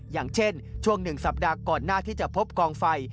อย่างเช่นช่วง๑สัปดาห์ก่อนหน้าที่จะพบกองไฟ